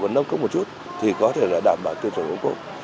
và nâng cấp một chút thì có thể là đảm bảo tiêu chuẩn ocob